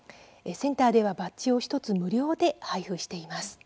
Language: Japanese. センターではバッジを１つ無料で配布しています。